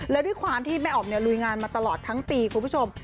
แล้วด้วยความที่แม่อ๋อมลุยงานมาตลอดทั้งปีคุณผู้ชม